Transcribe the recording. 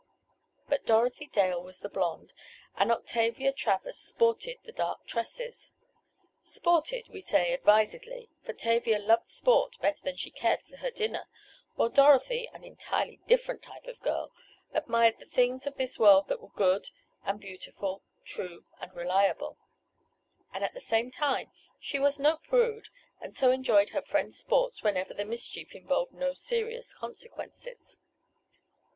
But Dorothy Dale was the blond, and Octavia Travers, "sported" the dark tresses. "Sported" we say advisedly, for Tavia loved sport better than she cared for her dinner, while Dorothy, an entirely different type of girl, admired the things of this world that were good and beautiful, true and reliable; but at the same time she was no prude, and so enjoyed her friend's sports, whenever the mischief involved no serious consequences.